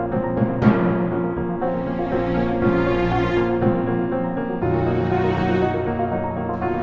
aurelia dipersilakan memasuki ruang persidangan